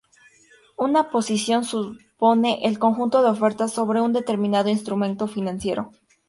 Una posición supone el conjunto de ofertas sobre un determinado instrumento financiero.